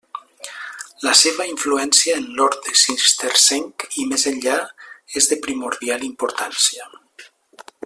La seva influència en l'orde cistercenc i més enllà és de primordial importància.